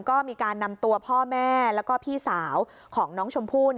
ก็มีการนำตัวพ่อแม่แล้วก็พี่สาวของน้องชมพู่